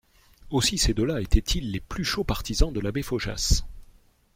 Aussi ces deux-là étaient-ils les plus chauds partisans de l'abbé Faujas.